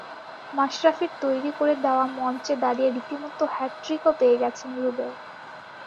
মাশরাফির তৈরি করে দেওয়া মঞ্চে দাঁড়িয়ে রীতিমতো হ্যাটট্রিকও পেয়ে গেছেন রুবেল।